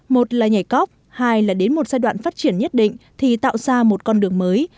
một là nhảy cóc hai là đến một giai đoạn phát triển nhất định thì tạo ra một con đường mới